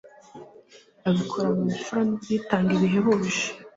abikora mu bupfura n'ubwitange bihebuje